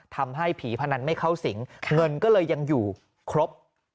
ทำให้ผีพนันไม่เข้าสิงเงินก็เลยยังอยู่ครบ